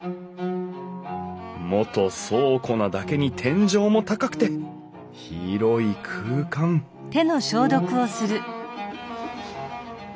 元倉庫なだけに天井も高くて広い空間うん